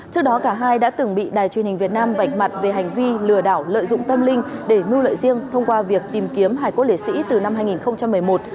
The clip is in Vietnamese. trước đó cả hai đã từng bị đài truyền hình việt nam vạch mặt về hành vi lừa đảo lợi dụng tâm linh để mưu lợi riêng thông qua việc tìm kiếm hải cốt lễ sĩ từ năm hai nghìn một mươi một